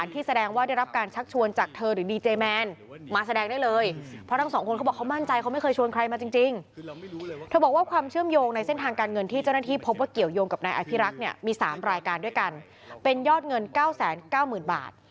ตัวเธอเองมีสามรายการด้วยกันเป็นยอดเงิน๙๙๐๐๐๐บาท